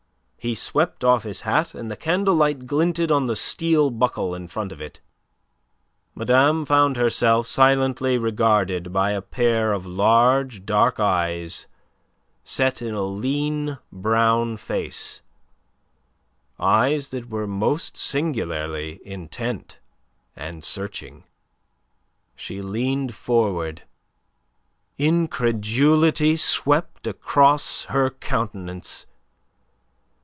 He swept off his hat, and the candlelight glinted on the steel buckle in front of it. Madame found herself silently regarded by a pair of large, dark eyes set in a lean, brown face, eyes that were most singularly intent and searching. She leaned forward, incredulity swept across her countenance.